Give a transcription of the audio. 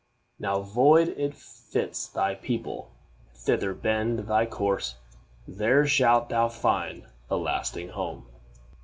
Now void, it fits thy people; thither bend Thy course; there shalt thou find a lasting home."